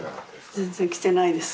全然来てないです。